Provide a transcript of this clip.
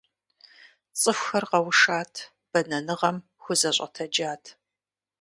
ЦӀыхухэр къэушат, бэнэныгъэм хузэщӀэтэджат.